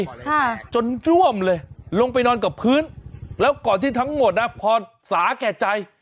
ค่ะจนจ้วมเลยลงไปนอนกับพื้นแล้วก่อนที่ทั้งหมดอ่ะพอสาแก่ใจ